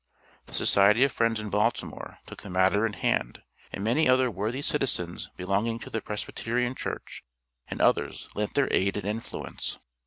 The Society of Friends in Baltimore took the matter in hand, and many other worthy citizens belonging to the Presbyterian Church and others lent their aid and influence.